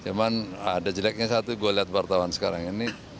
cuman ada jeleknya satu gue lihat wartawan sekarang ini